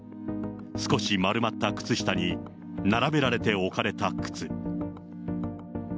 少し丸まった靴下に、並べられて置かれた靴。